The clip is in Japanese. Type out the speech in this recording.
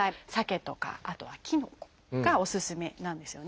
あとはきのこがおすすめなんですよね。